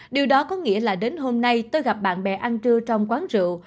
điều đó có nghĩa là đến hôm nay tôi gặp bạn bè ăn trưa trong quán rượu